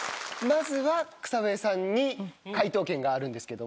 まずは草笛さんに解答権があるんですけども。